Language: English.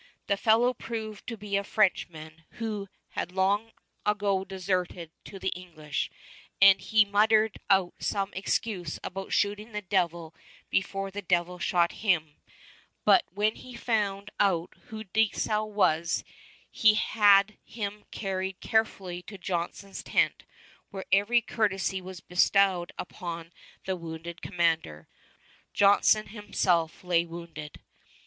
The fellow proved to be a Frenchman who had long ago deserted to the English, and he muttered out some excuse about shooting the devil before the devil shot him; but when he found out who Dieskau was, he had him carried carefully to Johnson's tent, where every courtesy was bestowed upon the wounded commander. Johnson himself lay wounded.